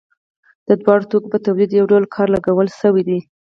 د دواړو توکو په تولید یو ډول کار لګول شوی دی